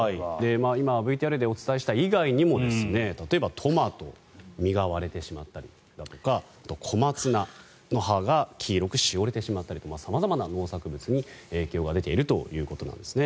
今ＶＴＲでお伝えした以外にも例えば、トマト実が割れてしまったりだとか小松菜の葉が黄色くしおれてしまったりと様々な農作物に影響が出ているということなんです。